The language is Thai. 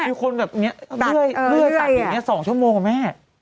มีคนแบบนี้ตัดอยู่นี้๒ชั่วโมงแม่